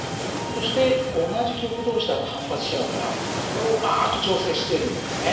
そして同じ極同士だと反発し合うからそれをうまく調整しているんだよね。